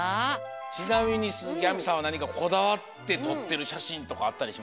ちなみに鈴木亜美さんはなにかこだわってとってるしゃしんとかあったりしますか？